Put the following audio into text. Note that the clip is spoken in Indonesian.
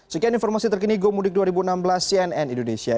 sekian informasi terkini gomudik dua ribu enam belas cnn indonesia